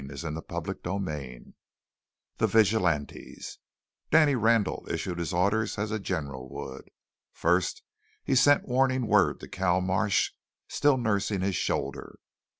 CHAPTER XXXVIII THE VIGILANTES Danny Randall issued his orders as a general would. First he sent warning word to Cal Marsh, still nursing his shoulder.